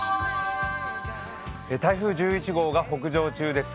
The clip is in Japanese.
台風１１号が北上中です。